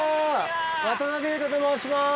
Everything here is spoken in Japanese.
渡辺裕太と申します。